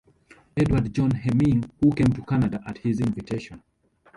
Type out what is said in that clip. Edward John Hemming who came to Canada at his invitation.